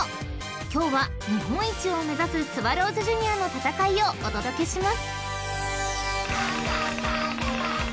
今日は日本一を目指すスワローズジュニアの戦いをお届けします］